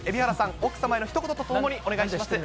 奥様へのひと言とともにお願いします。